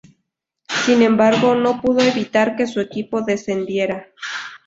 Sin embargo no pudo evitar que su equipo descendiera.